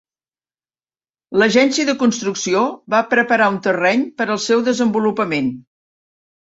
L'agència de construcció va preparar un terreny per al seu desenvolupament.